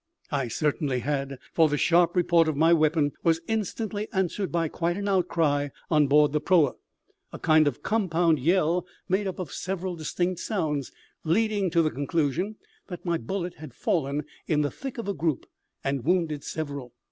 I certainly had, for the sharp report of my weapon was instantly answered by quite an outcry on board the proa a kind of compound yell made up of several distinct sounds, leading to the conclusion that my bullet had fallen in the thick of a group, and wounded several.